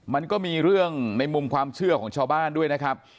มันก็มีเรื่องในมุมความเชื่อของชาวบ้านด้วยนะครับ